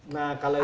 nah kalau itu